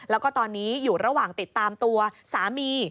แล้วก็ตอนนี้อยู่ระหว่างติดตามตัวสามี